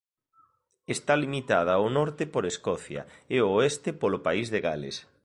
Está limitada ao norte por Escocia e ao oeste polo País de Gales.